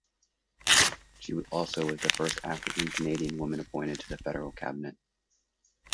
She also was the first African-Canadian woman appointed to the federal cabinet.